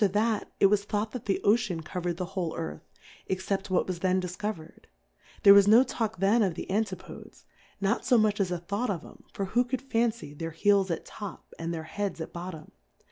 iat, it was thought that the Oceaa coverMthe whole Earth, except what was then difcoverM : There was no talk then of the Antifodes^ not fo mucli as a thought of 'em, for who could fancy their Heels at top, and their Heads at bottom